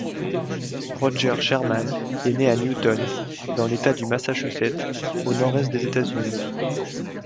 Roger Sherman est né à Newton dans l'État du Massachusetts, au nord-est des États-Unis.